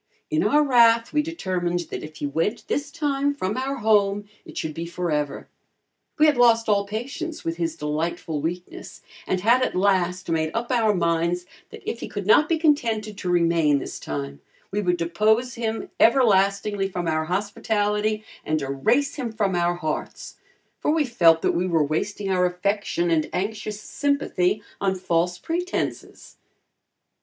In our wrath, we determined that if he went this time from our home, it should be forever. We had lost all patience with his delightful weakness and had at last made up our minds that if he could not be contented to remain this time, we would depose him everlastingly from our hospitality and erase him from our hearts, for we felt that we were wasting our affection and anxious sympathy on false pretenses.